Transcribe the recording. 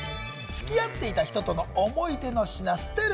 付き合っていた人との思い出の品、捨てる？